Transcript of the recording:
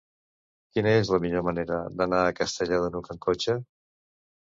Quina és la millor manera d'anar a Castellar de n'Hug amb cotxe?